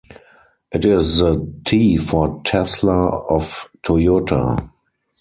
It is the T for Tesla of Toyota.